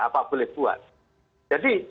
apa boleh dibuat jadi